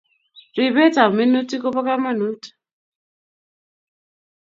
ripetap minutik kopo kamanut